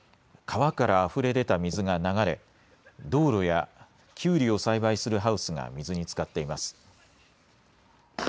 川からあふれ出た水が流れ道路やキュウリを栽培するハウスが水につかっています。